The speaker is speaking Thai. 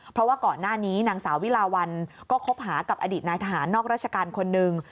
เพราะว่าก่อนหน้านี้นางสาววิลาวันก็คบหากับอดีตนายทหารนอกราชการคนหนึ่ง